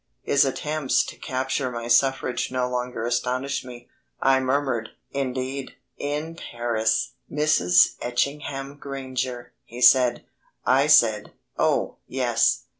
His attempts to capture my suffrage no longer astonished me. I murmured: "Indeed!" "In Paris Mrs. Etchingham Granger," he said. I said, "Oh, yes."